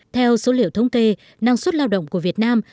theo số liệu thống kê năng suất lao động của việt nam